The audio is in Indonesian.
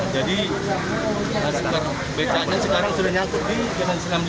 jadi beca nya sekarang sudah nyangkut di jalan selam v